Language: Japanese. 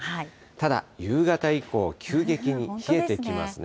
ただ、夕方以降、急激に冷えてきますね。